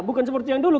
bukan seperti yang dulu